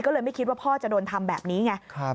ก็เลยไม่คิดว่าพ่อจะโดนทำแบบนี้ไง